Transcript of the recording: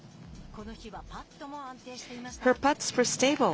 この日はパットも安定していました。